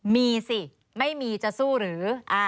มีสิไม่มีจะสู้หรือ